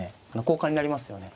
交換になりますよね。